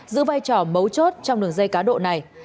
giữ vai trò mấu chốt trong đường dây cá độ này